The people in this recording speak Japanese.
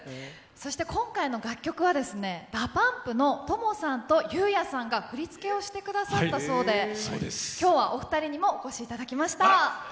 今回の楽曲はＤＡＰＵＭＰのＴＯＭＯさんとＵ−ＹＥＡＨさんが振り付けをしてくださったそうで、今日はお二人にもお越しいただきました。